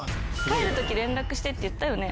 帰る時連絡してって言ったよね？